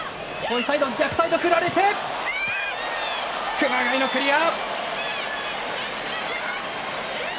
熊谷のクリア！